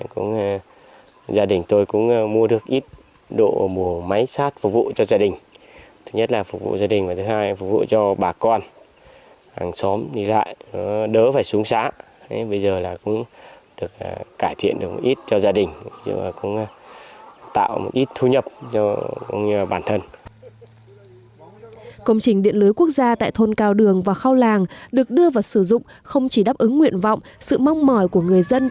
công trình điện lưới quốc gia tại thôn cao đường và khâu làng được đưa vào sử dụng không chỉ đáp ứng nguyện vọng sự mong mỏi của người dân tự nhiên